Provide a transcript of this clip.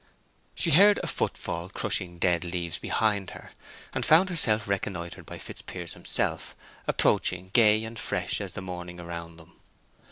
She heard a foot fall crushing dead leaves behind her, and found herself reconnoitered by Fitzpiers himself, approaching gay and fresh as the morning around them.